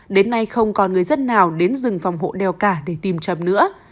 đến nay không còn người dân nào đến rừng phòng hộ đeo cả để tìm châm nữa